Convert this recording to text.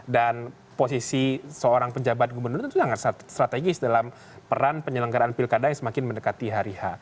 dan posisi seorang penjabat gubernur itu sangat strategis dalam peran penyelenggaraan pilkada yang semakin mendekati hari h